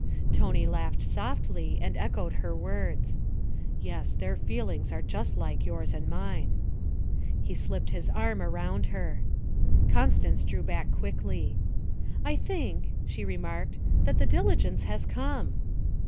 Tony laughed softly and echoed her words. 'Yes, their feelings are just like yours and mine.' He slipped his arm around her. Constance drew back quickly. 'I think,' she remarked, 'that the diligence has come.'